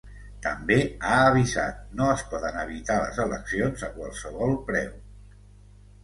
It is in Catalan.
També ha avisat: No es poden evitar les eleccions a qualsevol preu.